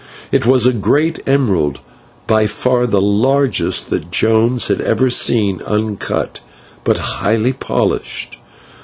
It was a great emerald, by far the largest that Jones had ever seen, uncut, but highly polished.